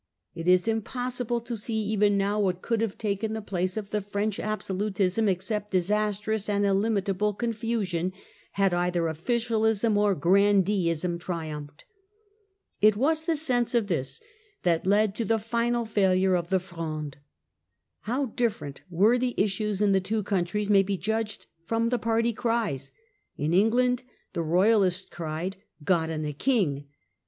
It is impossible to see even now what could have taken the place of the French absolutism except disastrous and illimitable confusion, had either officialism or grandeeism triumphed. It was the sense of this that led to the final failure of the Fronde. How different were the issues in the two countries may be judged from the party cries. In England the Royalist cried * God and the King